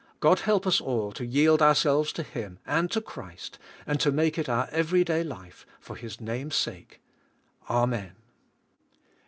God help us all ti yield ourselves to Him, and to Christ, and t6 make it our every day life; for His name's sake. Amen.